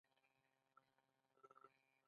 تاریخ پوهان د روم تاریخ په دوو برخو ویشي.